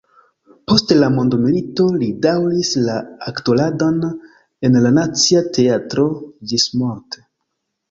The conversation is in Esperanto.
Post la mondomilito li daŭris la aktoradon en la Nacia Teatro ĝismorte.